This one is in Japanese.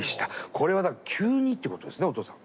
これはだから急にっていうことですねお父さん。